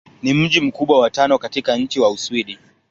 Ni mji mkubwa wa tano katika nchi wa Uswidi.